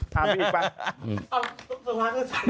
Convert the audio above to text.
ทำยังไงอีกพัง